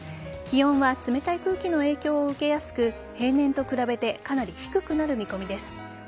気温は冷たい空気の影響を受けやすく平年と比べてかなり低くなる見込みです。